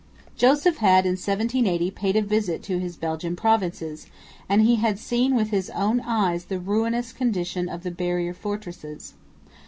Joseph had in 1780 paid a visit to his Belgian provinces, and he had seen with his own eyes the ruinous condition of the barrier fortresses.